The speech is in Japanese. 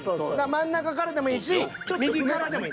真ん中からでもいいしちょっと右からでもいい。